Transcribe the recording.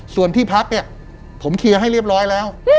ส่วนที่พักเนี่ยผมเคลียร์ให้เรียบร้อยแล้ว